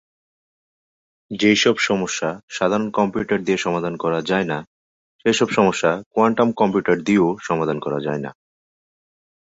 যেসব সমস্যা সাধারণ কম্পিউটার দিয়ে সমাধান করা যায়না সেসব সমস্যা কোয়ান্টাম কম্পিউটার দিয়েও সমাধান করা যায়না।